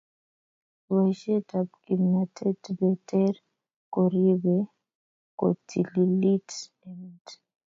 boishet ab kimnatet be ter koripee kotililit emet